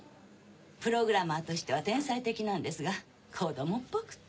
プログラマーとしては天才的なんですが子供っぽくって。